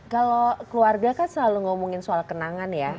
kalau keluarga kan selalu ngomongin soal kenangan ya